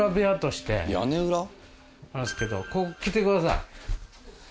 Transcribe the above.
あるんですけどここ来てください。